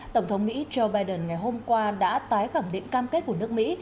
tổng thống mỹ joe biden ngày hôm qua đã tái khẳng định cam kết của nước mỹ